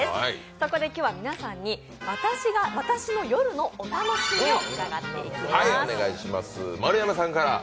そこで今日は皆さんに、私の夜のお楽しみを伺っていきます。